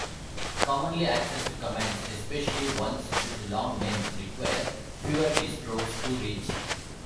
Commonly accessed commands, especially ones with long names, require fewer keystrokes to reach.